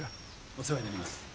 お世話になります。